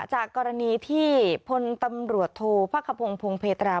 จากกรณีที่พลตำรวจโทรพพเพตรา